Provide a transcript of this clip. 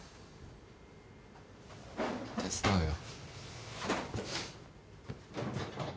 手伝うよ。